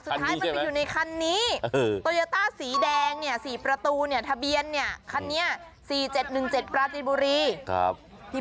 สุดท้ายมันไปอยู่ในคันนี้โตโยต้าสีแดงเนี่ย๔ประตูเนี่ยทะเบียนเนี่ยคันนี้๔๗๑๗ปราจีนบุรีครับ